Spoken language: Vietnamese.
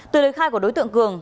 từ lời khai của đối tượng cường